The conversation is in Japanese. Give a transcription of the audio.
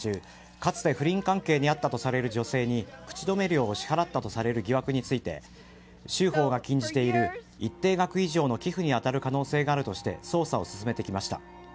かつて不倫関係にあったとされる女性に口止め料を支払ったとされる疑惑について州法が禁じている一定額以上の寄付に当たる可能性があるとして捜査を進めてきました。